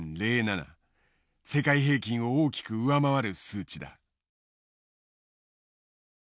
世界平均を大きく上回る数値だ。